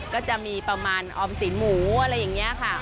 ก็จะมีประมาณออมสีหมูอะไรอย่างนี้ค่ะ